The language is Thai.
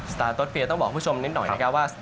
สตาร์โต๊ดเฟียร์ต้องบอกผู้ชมนิดหน่อยนะคะว่า